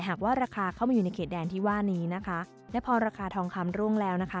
หากว่าราคาเข้ามาอยู่ในเขตแดนที่ว่านี้นะคะและพอราคาทองคำร่วงแล้วนะคะ